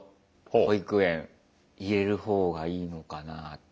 保育園入れる方がいいのかなあって。